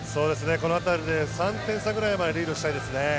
このあたりで３点差ぐらいまでリードしたいですね。